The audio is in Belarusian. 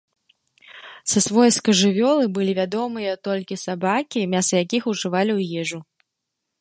Са свойскай жывёлы былі вядомыя толькі сабакі, мяса якіх ужывалі ў ежу.